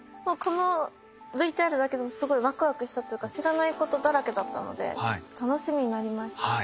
もうこのＶＴＲだけでもすごいワクワクしたっていうか知らないことだらけだったので楽しみになりました。